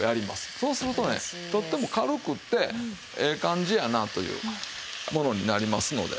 そうするとねとっても軽くってええ感じやなというものになりますので。